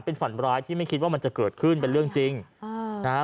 เป็นฝันร้ายที่ไม่คิดว่ามันจะเกิดขึ้นเป็นเรื่องจริงอ่านะฮะ